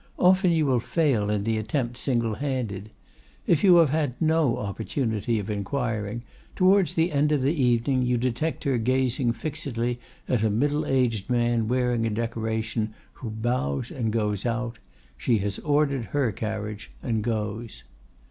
Often you will fail in the attempt single handed. If you have had no opportunity of inquiring, towards the end of the evening you detect her gazing fixedly at a middle aged man wearing a decoration, who bows and goes out. She has ordered her carriage, and goes.